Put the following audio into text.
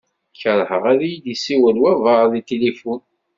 Kerheɣ ad iyi-d-yessiwel wabɛaḍ deg tilifun.